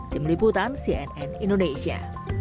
tim liputan cnn indonesia